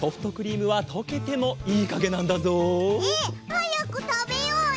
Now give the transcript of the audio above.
はやくたべようよ！